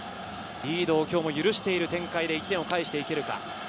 リードを今日も許している展開で１点を返していけるか。